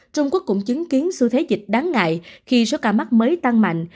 trung quốc cũng chứng kiến xu thế dịch đáng ngại khi số ca mắc mới tăng mạnh